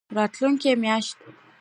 راتلونکې میاشت